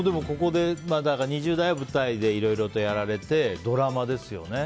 ２０代は舞台でいろいろとやられてドラマですよね。